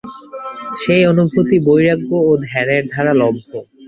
সেই অনুভূতি বৈরাগ্য ও ধ্যানের দ্বারা লভ্য।